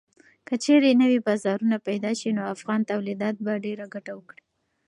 که چېرې نوي بازارونه پېدا شي نو افغان تولیدات به ډېره ګټه وکړي.